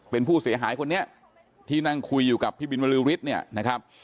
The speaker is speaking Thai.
เป็นผู้เสียหายคนนี้ที่นั่งคุยอยู่กับพี่บินบรือฤทธิ์เนี่ยนะครับ